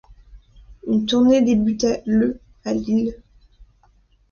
Une tournée débute le à Lille.